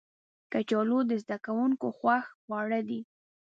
کچالو د زده کوونکو خوښ خواړه دي